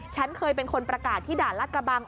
ฉันเคยเป็นคนประกาศที่ด่านรัฐกระบัง